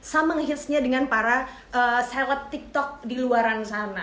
bisa sama ngehitsnya dengan para seleb tiktok di luaran sana